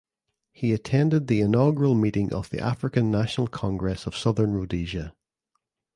He attended the inaugural meeting of the African National Congress of the Southern Rhodesia.